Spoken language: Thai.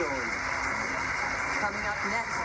ให้ทำงานต่อไปทำงานดีต่อไปครับ